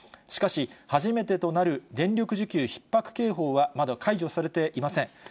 しかし、初めてとなる電力需給ひっ迫警報はまだ解除されていません。